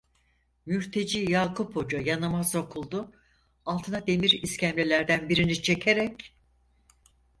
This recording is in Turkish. Mürteci Yakup Hoca yanıma sokuldu, altına demir iskemlelerden birini çekerek: